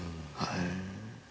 はい。